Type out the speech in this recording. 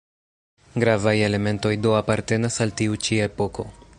Gravaj elementoj do apartenas al tiu ĉi epoko.